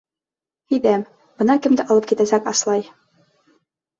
Һиҙәм: бына кемде алып китәсәк Аслай!